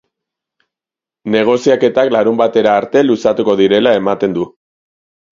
Negoziaketak larunbatera arte luzatuko direla ematen du.